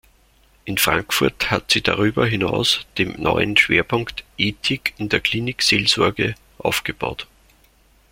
In Frankfurt hat sie darüber hinaus den neuen Schwerpunkt „Ethik in der Klinik-Seelsorge“ aufgebaut.